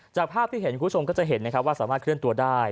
จากภาพที่เห็นคุณผู้ชมก็จะเห็นนะครับว่าสามารถเคลื่อนตัวได้